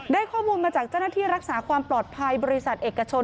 ข้อมูลมาจากเจ้าหน้าที่รักษาความปลอดภัยบริษัทเอกชน